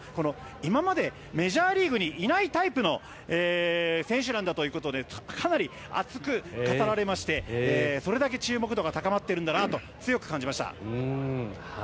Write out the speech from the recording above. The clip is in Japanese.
今までメジャーリーグにいないタイプの選手だということでかなり熱く語られましてそれだけ注目度が高まっているんだなと強く感じました。